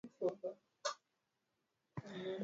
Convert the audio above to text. zamani eneo la Anatolia lilishambuliwa na makabila